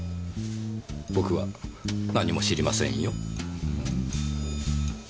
僕は何も知りませんよ。